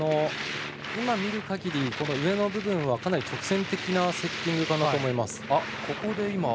見るかぎり、上の部分はかなり直線的なセッティングだなと思います。